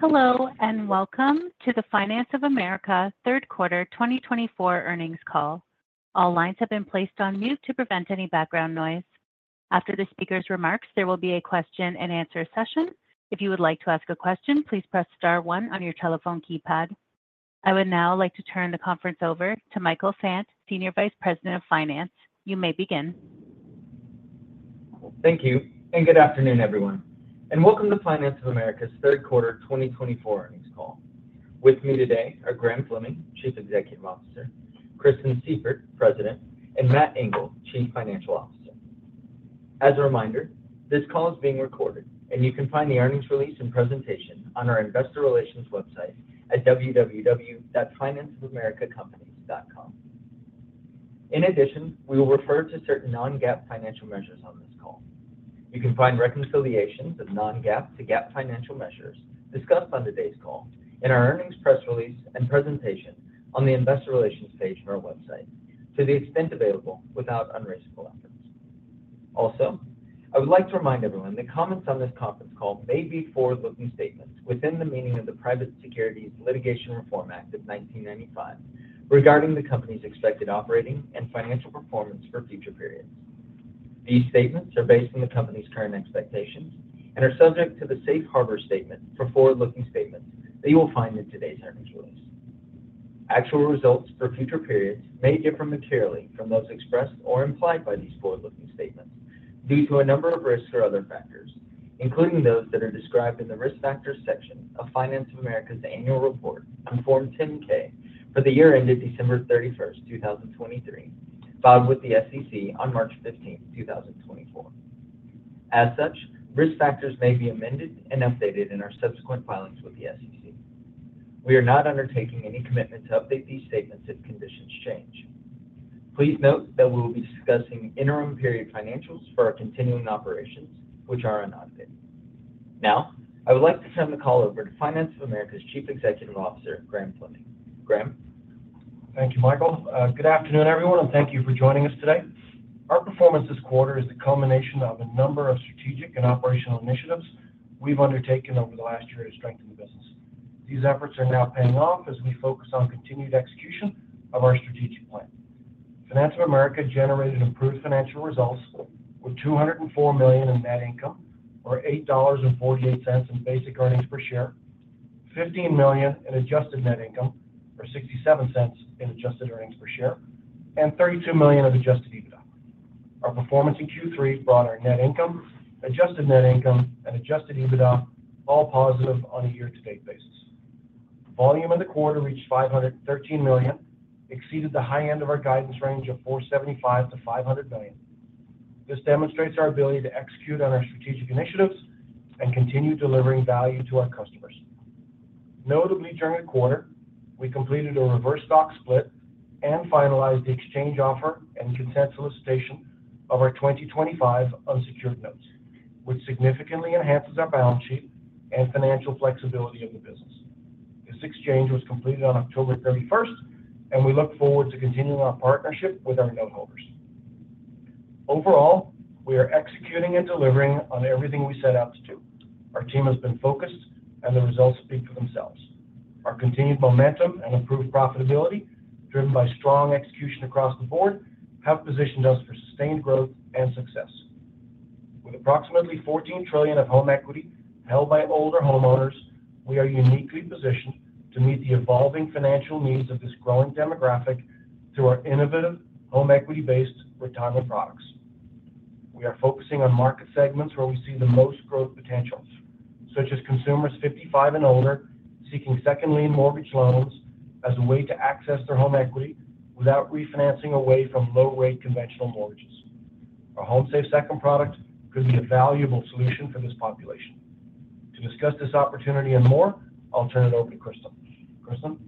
Hello, and welcome to the Finance of America Third Quarter 2024 Earnings Call. All lines have been placed on mute to prevent any background noise. After the speaker's remarks, there will be a question-and-answer session. If you would like to ask a question, please press star one on your telephone keypad. I would now like to turn the conference over to Michael Fant, Senior Vice President of Finance. You may begin. Thank you, and good afternoon, everyone, and welcome to Finance of America's Third Quarter 2024 Earnings Call. With me today are Graham Fleming, Chief Executive Officer; Kristen Sieffert, President; and Matt Engel, Chief Financial Officer. As a reminder, this call is being recorded, and you can find the earnings release and presentation on our Investor Relations website at www.financeofamericacompanies.com. In addition, we will refer to certain non-GAAP financial measures on this call. You can find reconciliations of non-GAAP to GAAP financial measures discussed on today's call in our earnings press release and presentation on the Investor Relations page of our website, to the extent available, without unreasonable efforts. Also, I would like to remind everyone that comments on this conference call may be forward-looking statements within the meaning of the Private Securities Litigation Reform Act of 1995 regarding the company's expected operating and financial performance for future periods. These statements are based on the company's current expectations and are subject to the safe harbor statement for forward-looking statements that you will find in today's earnings release. Actual results for future periods may differ materially from those expressed or implied by these forward-looking statements due to a number of risks or other factors, including those that are described in the risk factors section of Finance of America's annual report, Form 10-K, for the year ended December 31, 2023, filed with the SEC on March 15, 2024. As such, risk factors may be amended and updated in our subsequent filings with the SEC. We are not undertaking any commitment to update these statements if conditions change. Please note that we will be discussing interim period financials for our continuing operations, which are unaudited. Now, I would like to turn the call over to Finance of America's Chief Executive Officer, Graham Fleming. Graham. Thank you, Michael. Good afternoon, everyone, and thank you for joining us today. Our performance this quarter is the culmination of a number of strategic and operational initiatives we've undertaken over the last year to strengthen the business. These efforts are now paying off as we focus on continued execution of our strategic plan. Finance of America generated improved financial results with $204 million in net income, or $8.48 in basic earnings per share, $15 million in adjusted net income, or $0.67 in adjusted earnings per share, and $32 million of adjusted EBITDA. Our performance in Q3 brought our net income, adjusted net income, and adjusted EBITDA all positive on a year-to-date basis. Volume in the quarter reached $513 million, exceeded the high end of our guidance range of $475-$500 million. This demonstrates our ability to execute on our strategic initiatives and continue delivering value to our customers. Notably, during the quarter, we completed a reverse stock split and finalized the exchange offer and consent solicitation of our 2025 unsecured notes, which significantly enhances our balance sheet and financial flexibility of the business. This exchange was completed on October 31, and we look forward to continuing our partnership with our noteholders. Overall, we are executing and delivering on everything we set out to do. Our team has been focused, and the results speak for themselves. Our continued momentum and improved profitability, driven by strong execution across the board, have positioned us for sustained growth and success. With approximately $14 trillion of home equity held by older homeowners, we are uniquely positioned to meet the evolving financial needs of this growing demographic through our innovative home equity-based retirement products. We are focusing on market segments where we see the most growth potentials, such as consumers 55 and older seeking second-lien mortgage loans as a way to access their home equity without refinancing away from low-rate conventional mortgages. Our HomeSafe Second product could be a valuable solution for this population. To discuss this opportunity and more, I'll turn it over to Kristen. Kristen.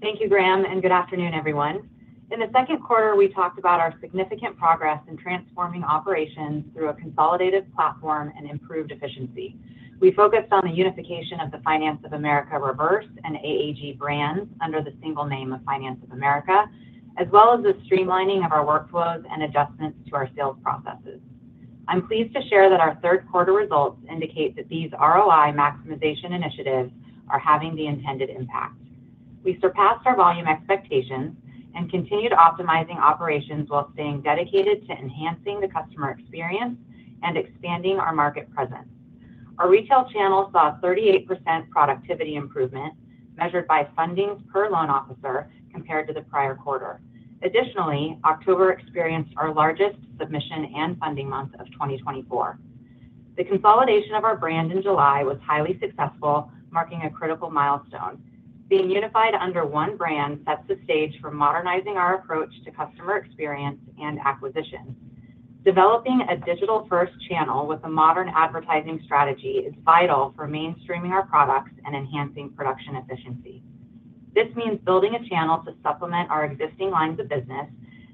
Thank you, Graham, and good afternoon, everyone. In the second quarter, we talked about our significant progress in transforming operations through a consolidated platform and improved efficiency. We focused on the unification of the Finance of America Reverse and AAG brands under the single name of Finance of America, as well as the streamlining of our workflows and adjustments to our sales processes. I'm pleased to share that our third quarter results indicate that these ROI maximization initiatives are having the intended impact. We surpassed our volume expectations and continued optimizing operations while staying dedicated to enhancing the customer experience and expanding our market presence. Our retail channel saw a 38% productivity improvement measured by funding per loan officer compared to the prior quarter. Additionally, October experienced our largest submission and funding month of 2024. The consolidation of our brand in July was highly successful, marking a critical milestone. Being unified under one brand sets the stage for modernizing our approach to customer experience and acquisition. Developing a digital-first channel with a modern advertising strategy is vital for mainstreaming our products and enhancing production efficiency. This means building a channel to supplement our existing lines of business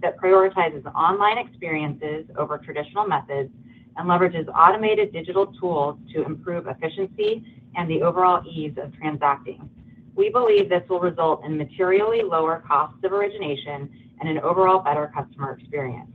that prioritizes online experiences over traditional methods and leverages automated digital tools to improve efficiency and the overall ease of transacting. We believe this will result in materially lower costs of origination and an overall better customer experience.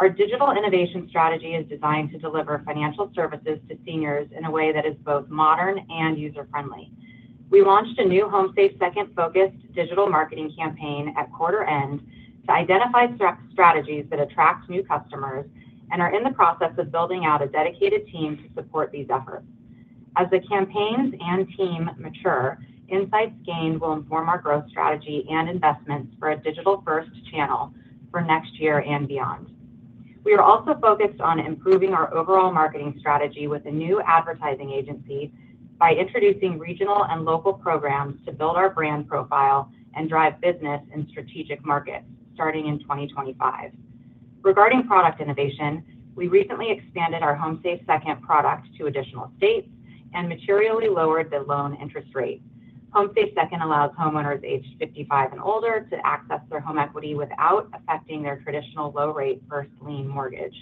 Our digital innovation strategy is designed to deliver financial services to seniors in a way that is both modern and user-friendly. We launched a new HomeSafe Second-focused digital marketing campaign at quarter end to identify strategies that attract new customers and are in the process of building out a dedicated team to support these efforts. As the campaigns and team mature, insights gained will inform our growth strategy and investments for a digital-first channel for next year and beyond. We are also focused on improving our overall marketing strategy with a new advertising agency by introducing regional and local programs to build our brand profile and drive business in strategic markets starting in 2025. Regarding product innovation, we recently expanded our HomeSafe Second product to additional states and materially lowered the loan interest rate. HomeSafe Second allows homeowners aged 55 and older to access their home equity without affecting their traditional low-rate first lien mortgage.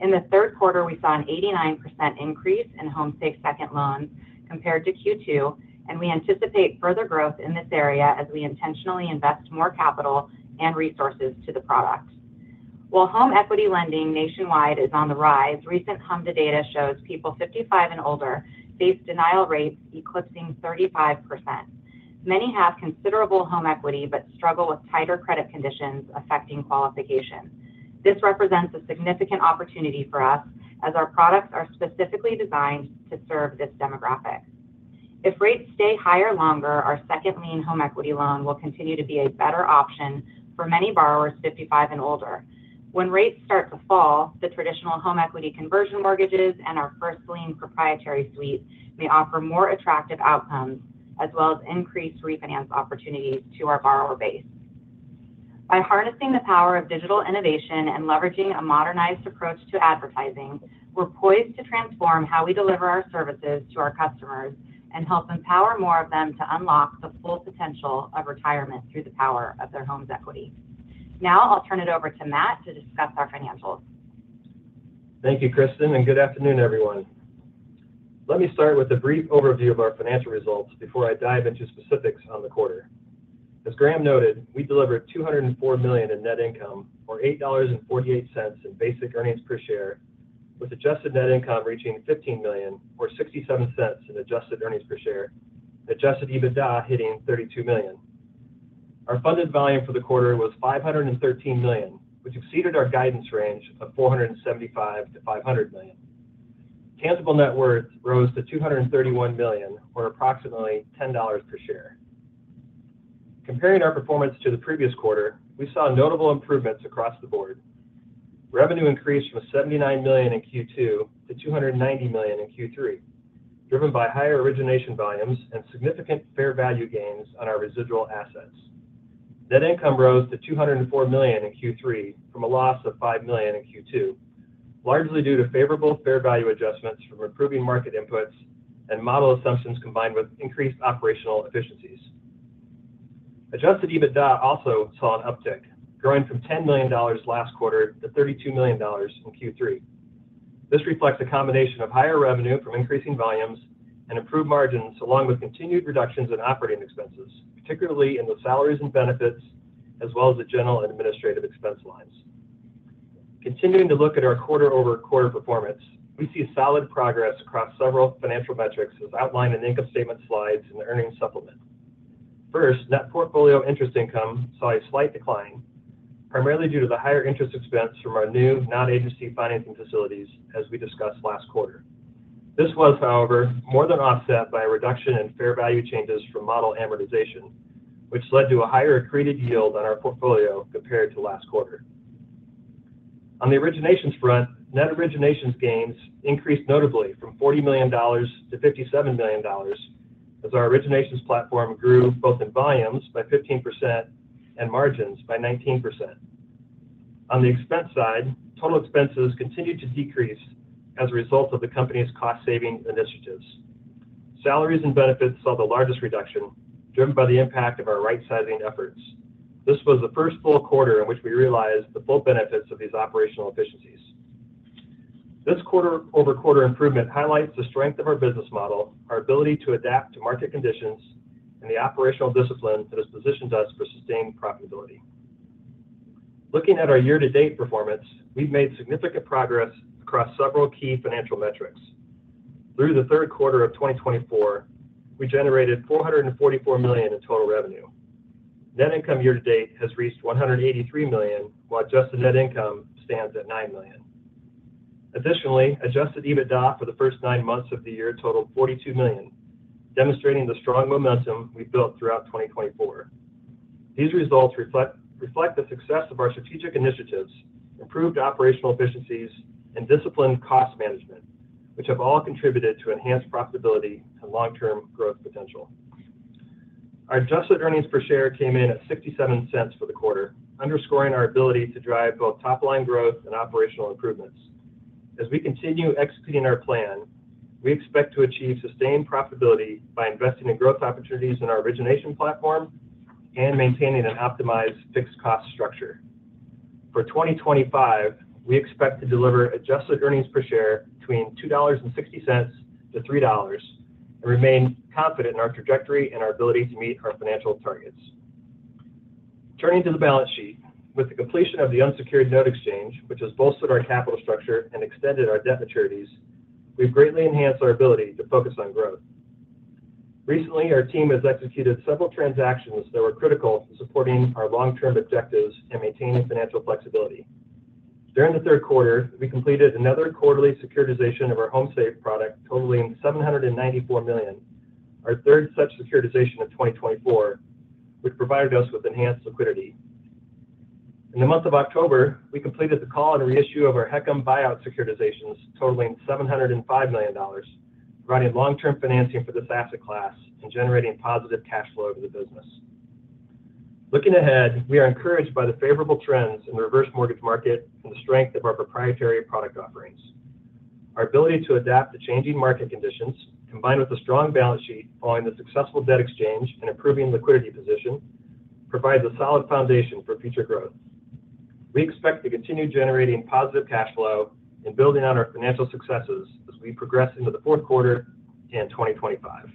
In the third quarter, we saw an 89% increase in HomeSafe Second loans compared to Q2, and we anticipate further growth in this area as we intentionally invest more capital and resources to the product. While home equity lending nationwide is on the rise, recent HMDA data shows people 55 and older face denial rates eclipsing 35%. Many have considerable home equity but struggle with tighter credit conditions affecting qualification. This represents a significant opportunity for us as our products are specifically designed to serve this demographic. If rates stay higher longer, our second lien home equity loan will continue to be a better option for many borrowers 55 and older. When rates start to fall, the traditional home equity conversion mortgages and our first lien proprietary suite may offer more attractive outcomes as well as increased refinance opportunities to our borrower base. By harnessing the power of digital innovation and leveraging a modernized approach to advertising, we're poised to transform how we deliver our services to our customers and help empower more of them to unlock the full potential of retirement through the power of their home's equity. Now, I'll turn it over to Matt to discuss our financials. Thank you, Kristen, and good afternoon, everyone. Let me start with a brief overview of our financial results before I dive into specifics on the quarter. As Graham noted, we delivered $204 million in net income, or $8.48 in basic earnings per share, with adjusted net income reaching $15 million, or $0.67 in adjusted earnings per share, adjusted EBITDA hitting $32 million. Our funded volume for the quarter was $513 million, which exceeded our guidance range of $475-$500 million. Tangible net worth rose to $231 million, or approximately $10 per share. Comparing our performance to the previous quarter, we saw notable improvements across the board. Revenue increased from $79 million in Q2 to $290 million in Q3, driven by higher origination volumes and significant fair value gains on our residual assets. Net income rose to $204 million in Q3 from a loss of $5 million in Q2, largely due to favorable fair value adjustments from improving market inputs and model assumptions combined with increased operational efficiencies. Adjusted EBITDA also saw an uptick, growing from $10 million last quarter to $32 million in Q3. This reflects a combination of higher revenue from increasing volumes and improved margins along with continued reductions in operating expenses, particularly in the salaries and benefits, as well as the general and administrative expense lines. Continuing to look at our quarter-over-quarter performance, we see solid progress across several financial metrics as outlined in income statement slides and the earnings supplement. First, net portfolio interest income saw a slight decline, primarily due to the higher interest expense from our new non-agency financing facilities as we discussed last quarter. This was, however, more than offset by a reduction in fair value changes from model amortization, which led to a higher accreted yield on our portfolio compared to last quarter. On the originations front, net originations gains increased notably from $40 million to $57 million as our originations platform grew both in volumes by 15% and margins by 19%. On the expense side, total expenses continued to decrease as a result of the company's cost-saving initiatives. Salaries and benefits saw the largest reduction, driven by the impact of our rightsizing efforts. This was the first full quarter in which we realized the full benefits of these operational efficiencies. This quarter-over-quarter improvement highlights the strength of our business model, our ability to adapt to market conditions, and the operational discipline that has positioned us for sustained profitability. Looking at our year-to-date performance, we've made significant progress across several key financial metrics. Through the third quarter of 2024, we generated $444 million in total revenue. Net income year-to-date has reached $183 million, while adjusted net income stands at $9 million. Additionally, adjusted EBITDA for the first nine months of the year totaled $42 million, demonstrating the strong momentum we built throughout 2024. These results reflect the success of our strategic initiatives, improved operational efficiencies, and disciplined cost management, which have all contributed to enhanced profitability and long-term growth potential. Our adjusted earnings per share came in at $0.67 for the quarter, underscoring our ability to drive both top-line growth and operational improvements. As we continue executing our plan, we expect to achieve sustained profitability by investing in growth opportunities in our origination platform and maintaining an optimized fixed cost structure. For 2025, we expect to deliver adjusted earnings per share between $2.60-$3 and remain confident in our trajectory and our ability to meet our financial targets. Turning to the balance sheet, with the completion of the unsecured note exchange, which has bolstered our capital structure and extended our debt maturities, we've greatly enhanced our ability to focus on growth. Recently, our team has executed several transactions that were critical in supporting our long-term objectives and maintaining financial flexibility. During the third quarter, we completed another quarterly securitization of our HomeSafe product, totaling $794 million, our third such securitization of 2024, which provided us with enhanced liquidity. In the month of October, we completed the call and reissue of our HECM buyout securitizations, totaling $705 million, providing long-term financing for this asset class and generating positive cash flow to the business. Looking ahead, we are encouraged by the favorable trends in the reverse mortgage market and the strength of our proprietary product offerings. Our ability to adapt to changing market conditions, combined with a strong balance sheet following the successful debt exchange and improving liquidity position, provides a solid foundation for future growth. We expect to continue generating positive cash flow and building on our financial successes as we progress into the fourth quarter in 2025.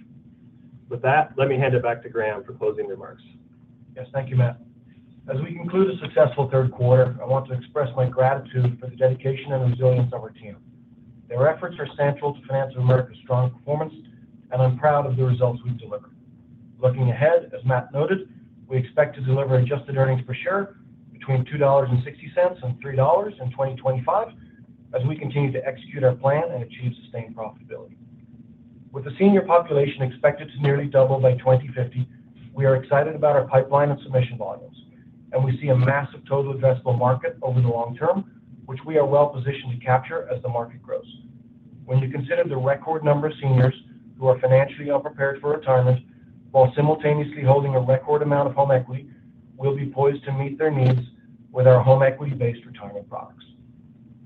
With that, let me hand it back to Graham for closing remarks. Yes, thank you, Matt. As we conclude a successful third quarter, I want to express my gratitude for the dedication and resilience of our team. Their efforts are central to Finance of America's strong performance, and I'm proud of the results we've delivered. Looking ahead, as Matt noted, we expect to deliver adjusted earnings per share between $2.60 and $3 in 2025 as we continue to execute our plan and achieve sustained profitability. With the senior population expected to nearly double by 2050, we are excited about our pipeline and submission volumes, and we see a massive total addressable market over the long term, which we are well positioned to capture as the market grows. When you consider the record number of seniors who are financially unprepared for retirement while simultaneously holding a record amount of home equity, we'll be poised to meet their needs with our home equity-based retirement products.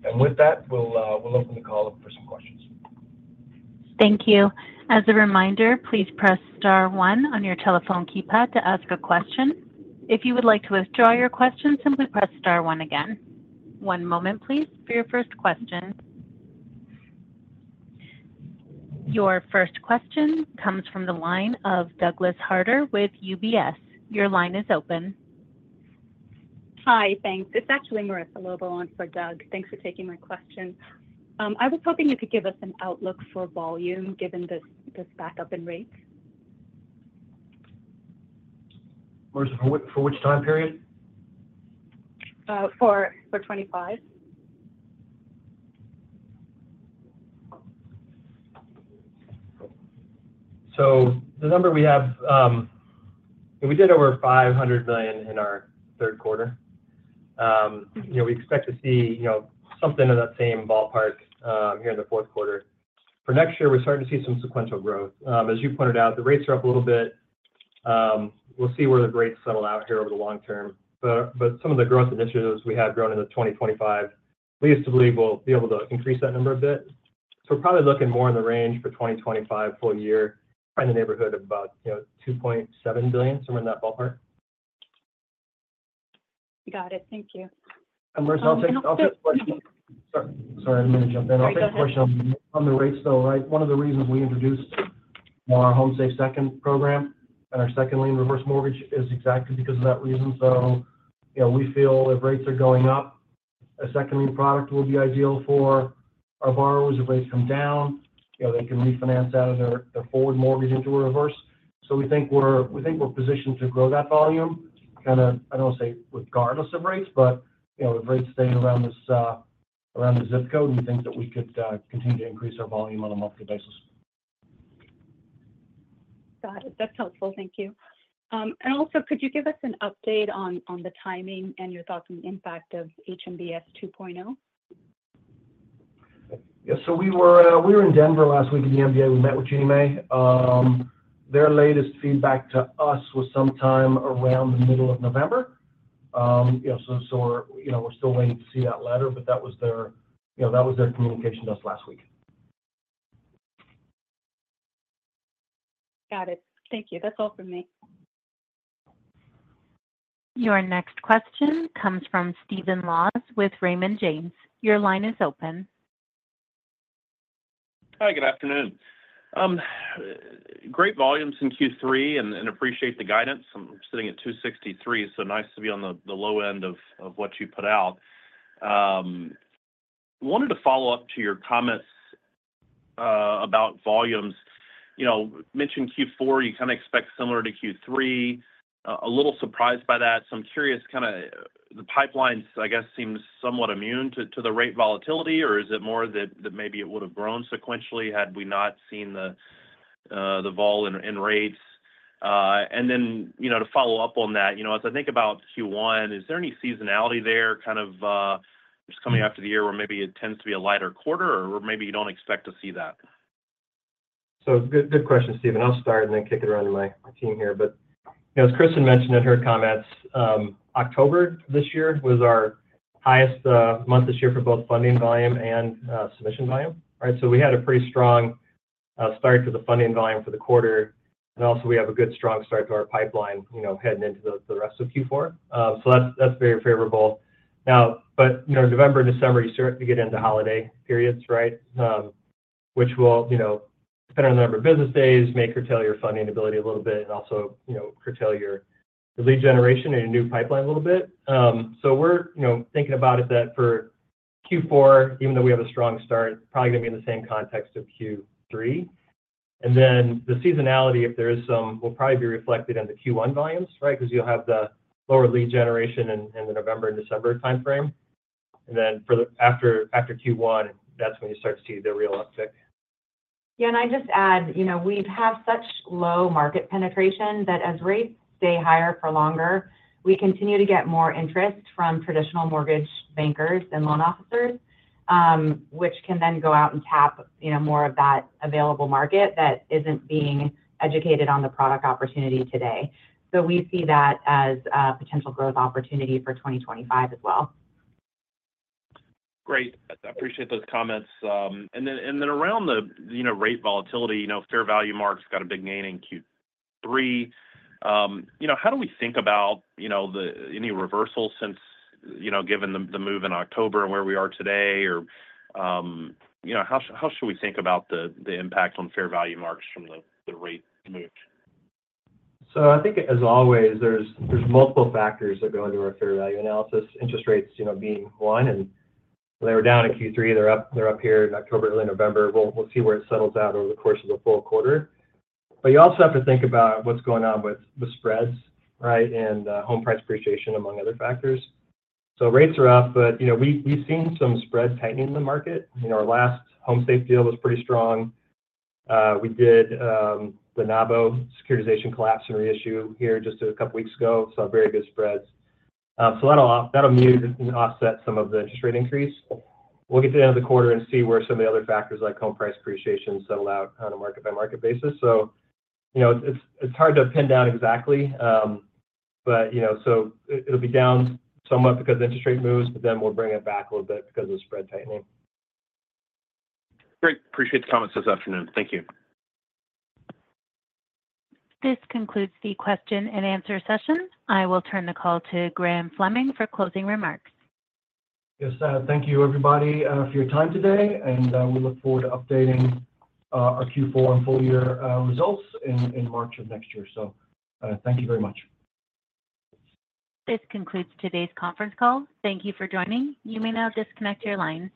And with that, we'll open the call for some questions. Thank you. As a reminder, please press star one on your telephone keypad to ask a question. If you would like to withdraw your question, simply press star one again. One moment, please, for your first question. Your first question comes from the line of Douglas Harter with UBS. Your line is open. Hi, thanks. It's actually Maressa Lobo on for Doug. Thanks for taking my question. I was hoping you could give us an outlook for volume given this backup in rates. For which time period? For '25. The number we have, we did over $500 million in our third quarter. We expect to see something in that same ballpark here in the fourth quarter. For next year, we're starting to see some sequential growth. As you pointed out, the rates are up a little bit. We'll see where the rates settle out here over the long term. But some of the growth initiatives we have going into 2025, we used to believe we'll be able to increase that number a bit. So we're probably looking more in the range for 2025 full year, probably in the neighborhood of about $2.7 billion, somewhere in that ballpark. Got it. Thank you. Maressa, I'll take a question. Sorry, I didn't mean to jump in. I'll take a question. On the rates though, one of the reasons we introduced our HomeSafe Second program and our second lien reverse mortgage is exactly because of that reason. We feel if rates are going up, a second lien product will be ideal for our borrowers. If rates come down, they can refinance out of their forward mortgage into a reverse. We think we're positioned to grow that volume. I don't want to say regardless of rates, but with rates staying around the zip code, we think that we could continue to increase our volume on a monthly basis. Got it. That's helpful. Thank you. And also, could you give us an update on the timing and your thoughts on the impact of HMBS 2.0? Yeah, so we were in Denver last week at the MBA. We met with Ginnie Mae. Their latest feedback to us was sometime around the middle of November, so we're still waiting to see that letter, but that was their communication to us last week. Got it. Thank you. That's all from me. Your next question comes from Stephen Laws with Raymond James. Your line is open. Hi, good afternoon. Great volumes in Q3 and appreciate the guidance. I'm sitting at $263, so nice to be on the low end of what you put out. Wanted to follow up to your comments about volumes. Mentioned Q4, you expect similar to Q3. A little surprised by that. I'm curious, the pipelines seem somewhat immune to the rate volatility, or is it more that maybe it would have grown sequentially had we not seen the vol in rates? And then to follow up on that, as about Q1, is there any seasonality there, just coming after the year where maybe it tends to be a lighter quarter, or maybe you don't expect to see that? Good question, Stephen. I'll start and then kick it around to my team here. But as Kristen mentioned in her comments, October this year was our highest month this year for both funding volume and submission volume. We had a pretty strong start to the funding volume for the quarter. And also, we have a good strong start to our pipeline heading into the rest of Q4. That's very favorable. Now, but November and December, you start to get into holiday periods, right, which will, depending on the number of business days, may curtail your funding ability a little bit and also curtail your lead generation and your new pipeline a little bit. We're thinking about it that for Q4, even though we have a strong start, probably going to be in the same context of Q3. And then the seasonality, if there is some, will probably be reflected in the Q1 volumes, right, because you'll have the lower lead generation in the November and December timeframe. And then after Q1, that's when you start to see the real uptick. Yeah, and I'd just add, we have such low market penetration that as rates stay higher for longer, we continue to get more interest from traditional mortgage bankers and loan officers, which can then go out and tap more of that available market that isn't being educated on the product opportunity today, so we see that as a potential growth opportunity for 2025 as well. Great. I appreciate those comments. And then around the rate volatility, fair value marks got a big gain in Q3. How do we think about any reversal since given the move in October and where we are today? Or how should we think about the impact on fair value marks from the rate move? As always, there's multiple factors that go into our fair value analysis. Interest rates being one, and they were down in Q3. They're up here in October, early November. We'll see where it settles out over the course of the full quarter. But you also have to think about what's going on with spreads, right, and home price appreciation among other factors. So rates are up, but we've seen some spread tightening in the market. Our last HomeSafe deal was pretty strong. We did the non-agency securitization collapse and reissue here just a couple of weeks ago, saw very good spreads. That'll mute and offset some of the interest rate increase. We'll get to the end of the quarter and see where some of the other factors like home price appreciation settle out on a market-by-market basis. It's hard to pin down exactly, but so it'll be down somewhat because interest rate moves, but then we'll bring it back a little bit because of the spread tightening. Great. Appreciate the comments this afternoon. Thank you. This concludes the question and answer session. I will turn the call to Graham Fleming for closing remarks. Yes, thank you, everybody, for your time today, and we look forward to updating our Q4 and full-year results in March of next year, so thank you very much. This concludes today's conference call. Thank you for joining. You may now disconnect your lines.